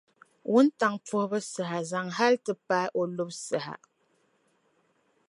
Wuntaŋ’ puhibu saha zaŋ hal ti paai o lubu saha.